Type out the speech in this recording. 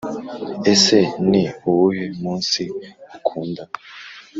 Ese ni uwuhe munsi ukunda